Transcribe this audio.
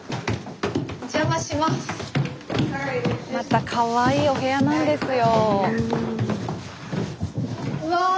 スタジオまたかわいいお部屋なんですよ。